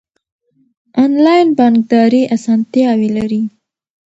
انلاین بانکداري اسانتیاوې لري.